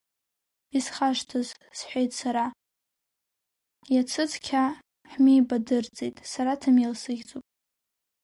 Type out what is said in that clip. Исхашҭыз, — сҳәеит сара, иацы цқьа ҳмеибадырӡеит, сара Ҭамел сыхьӡуп!